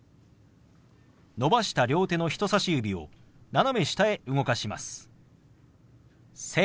伸ばした両手の人さし指を斜め下へ動かします。